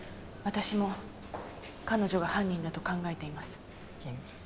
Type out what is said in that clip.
私も彼女が犯人だと考えています。